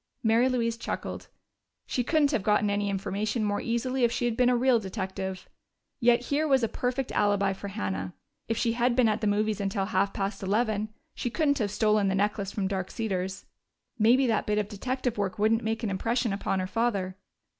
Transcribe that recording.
Mary Louise chuckled. She couldn't have gotten any information more easily if she had been a real detective. Yet here was a perfect alibi for Hannah; if she had been at the movies until half past eleven, she couldn't have stolen that necklace from Dark Cedars. Maybe that bit of detective work wouldn't make an impression upon her father!